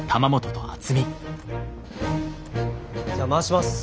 じゃあ回します。